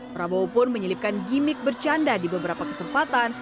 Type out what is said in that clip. prabowo pun menyelipkan gimmick bercanda di beberapa kesempatan